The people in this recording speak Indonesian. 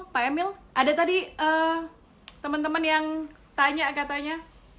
pak emil ada tadi teman teman yang tanya katanya